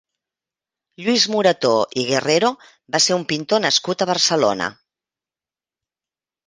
Lluís Morató i Guerrero va ser un pintor nascut a Barcelona.